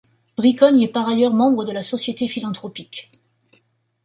Bricogne est par ailleurs membre de la Société philanthropique.